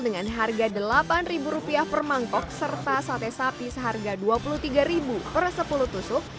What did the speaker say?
dengan harga rp delapan per mangkok serta sate sapi seharga rp dua puluh tiga per sepuluh tusuk